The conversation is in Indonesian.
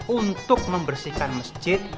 untuk membersihkan masjid